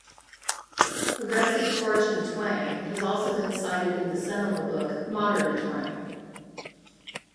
"Progressive Torch and Twang" has also been cited in the seminal book "Modern Twang".